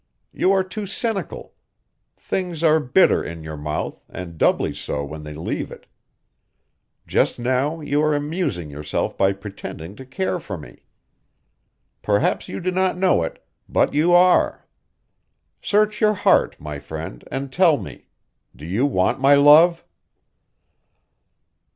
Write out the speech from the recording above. You are too cynical; things are bitter in your mouth, and doubly so when they leave it. Just now you are amusing yourself by pretending to care for me. Perhaps you do not know it, but you are. Search your heart, my friend, and tell me do you want my love?"